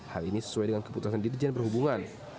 hal ini sesuai dengan keputusan dirjen perhubungan